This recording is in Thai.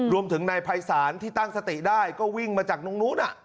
รวมถึงนายภัยศาลที่ตั้งสติได้ก็วิ่งมาจากตรงนู้น